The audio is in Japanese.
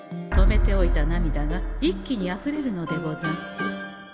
止めておいた涙が一気にあふれるのでござんす。